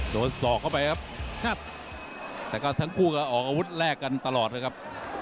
สอกเข้าไปครับงัดแต่ก็ทั้งคู่ก็ออกอาวุธแรกกันตลอดเลยครับ